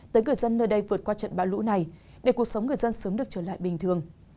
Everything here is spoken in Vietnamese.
tới người dân nơi đây vượt qua trận bão lũ này để cuộc sống người dân sớm được trở lại bình thường